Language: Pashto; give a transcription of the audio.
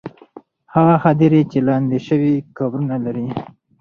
هغه هدیرې چې لاندې شوې، قبرونه لري.